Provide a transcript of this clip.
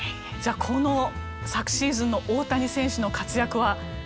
じゃあこの昨シーズンの大谷選手の活躍は？